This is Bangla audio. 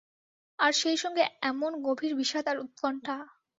আর সেইসঙ্গে এমন গভীর বিষাদ আর উৎকণ্ঠা।